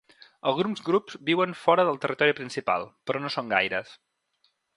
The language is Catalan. Alguns grups viuen fora del territori principal però no són gaires.